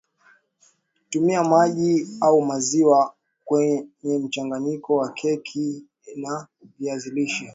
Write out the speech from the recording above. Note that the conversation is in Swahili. Tumia maji au maziwa kwenyemchanganyiko wa keki ya viazi lishe